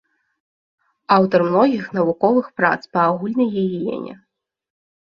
Аўтар многіх навуковых прац па агульнай гігіене.